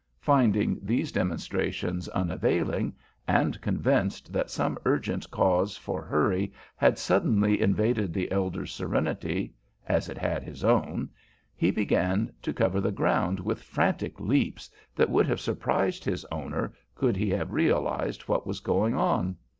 Finding these demonstrations unavailing, and convinced that some urgent cause for hurry had suddenly invaded the elder's serenity, as it had his own, he began to cover the ground with frantic leaps that would have surprised his owner could he have realized what was going on.